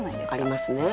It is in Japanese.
ありますね。